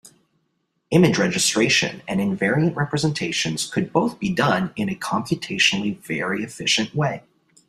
Image registration and invariant representations could both be done in a computationally very efficient way.